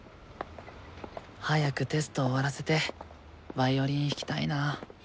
早くテスト終わらせてヴァイオリン弾きたいな。